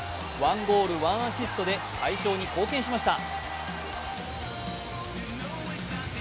１ゴール・１アシストで大勝に貢献しました。